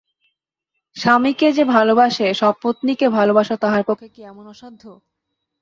স্বামীকে যে ভালোবাসে, সপত্নীকে ভালোবাসা তাহার পক্ষে কী এমন অসাধ্য।